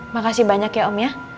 makasih banyak ya om ya